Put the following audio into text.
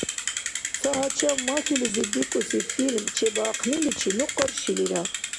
«Цагьачам махьилизиб» бикӀуси фильм чебиахъниличи ну къаршилира.